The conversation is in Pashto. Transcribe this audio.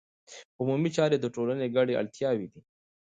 عمومي چارې د ټولنې ګډې اړتیاوې دي.